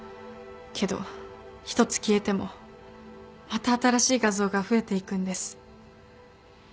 けど１つ消えてもまた新しい画像が増えていくんです。